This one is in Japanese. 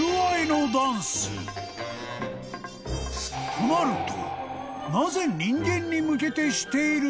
［となると］